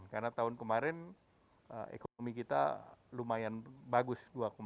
karena tahun kemarin ekonomi kita lumayan bagus dua sembilan puluh tujuh